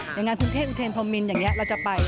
อย่างงานคุณเท่อูเทนพอมมินอย่างนี้เราจะไป